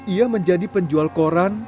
ia menjadi penjual koran